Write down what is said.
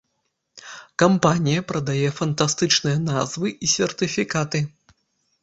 Кампанія прадае фантастычныя назвы і сертыфікаты.